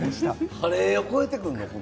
カレーを超えてくるの？